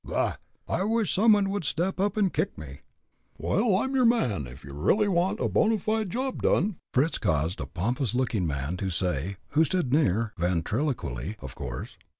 Bah! I wish some one would step up and kick me!" "Well, I'm your man, if you really want a bona fide job done!" Fritz caused a pompous looking man to say, who stood near ventriloquially, of course.